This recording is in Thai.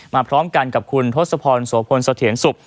มาพร้อมกันกับคุณทศพรสวพลสเถียนสุบ